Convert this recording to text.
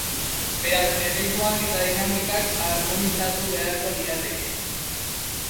Beraz, erritmoak eta dinamikak harmonizatu beharko lirateke.